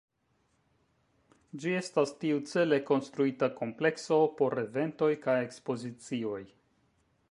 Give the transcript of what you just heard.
Ĝi estas tiucele konstruita komplekso por eventoj kaj ekspozicioj.